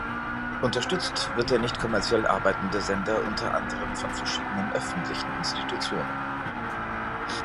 Unterstützt wird der nichtkommerziell arbeitende Sender unter anderem von verschiedenen öffentlichen Institutionen.